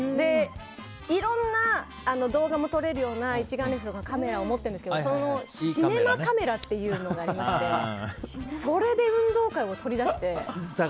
いろんな動画も撮れるような一眼レフのカメラを持ってるんですけどシネマカメラというのがありましてそれで運動会を撮り出して。